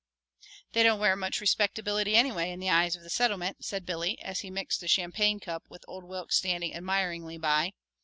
"They don't wear much respectability anyway in the eyes of the Settlement," said Billy, as he mixed the champagne cup with old Wilks standing admiringly by.